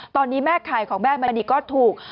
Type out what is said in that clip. ตอนนี้แม่ขายของแม่มณีก็ถูก